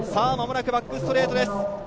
間もなくバックストレートです。